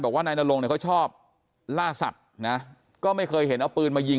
บอกว่านายนโรงเขาชอบล่าสัตว์นะก็ไม่เคยเห็นเอาปืนมายิง